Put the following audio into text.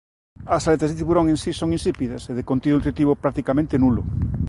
As aletas de tiburón en si son insípidas e de contido nutritivo practicamente nulo.